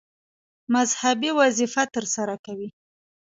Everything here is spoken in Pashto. مذهبي وظیفه ترسره کوي.